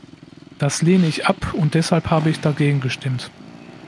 Das lehne ich ab, und deshalb habe ich dagegen gestimmt.